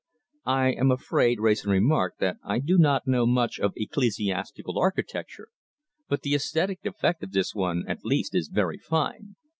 "I am afraid," Wrayson remarked, "that I do not know much of ecclesiastical architecture, but the aesthetic effect of this one, at least, is very fine."